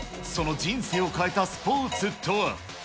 その人生を変えたスポーツとは。